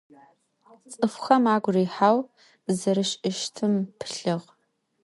Цӏыфхэм агу рихьэу зэришӏыщтым пылъыгъ.